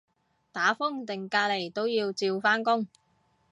打風定隔離都要照返工